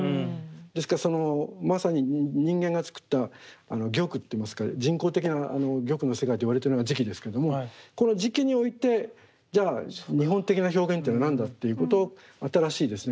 ですからまさに人間が作った玉っていいますか人工的な玉の世界といわれてるのが磁器ですけどもこの磁器においてじゃあ日本的な表現っていうのは何だっていうこと新しいですね